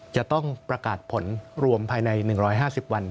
จะต้องประกาศผลรวมภายใน๑๕๐วัน